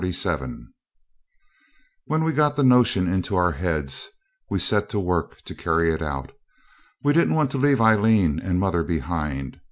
Chapter 47 When we got the notion into our heads, we set to work to carry it out. We didn't want to leave Aileen and mother behind.